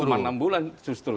cuma enam bulan justru